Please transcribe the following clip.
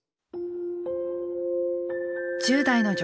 １０代の女